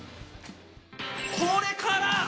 これから！